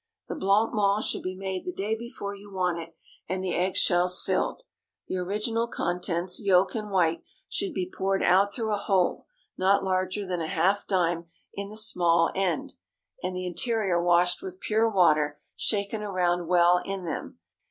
The blanc mange should be made the day before you want it, and the eggshells filled. The original contents, yolk and white, should be poured out through a hole, not larger than a half dime, in the small end, and the interior washed with pure water, shaken around well in them.